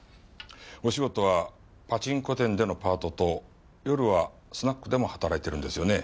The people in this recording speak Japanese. お仕事はパチンコ店でのパートと夜はスナックでも働いてるんですよね。